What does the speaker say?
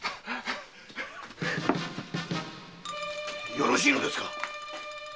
よろしいのですか？